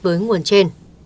với nguồn trên